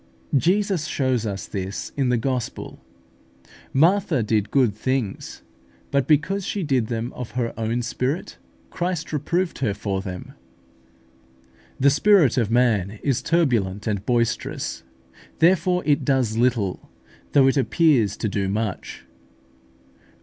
Jesus shows us this in the gospel. Martha did good things, but because she did them of her own spirit, Christ reproved her for them. The spirit of man is turbulent and boisterous; therefore it does little, though it appears to do much.